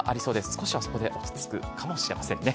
少しはそこで落ち着くかもしれませんね。